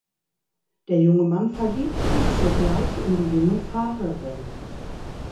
Der junge Mann verliebt sich sogleich in die junge Fahrerin.